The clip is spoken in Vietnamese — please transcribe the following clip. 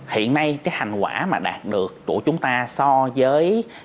hiện nay cái hành quả mà đạt được của chúng ta so với